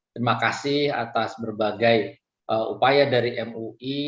terima kasih atas berbagai upaya dari mui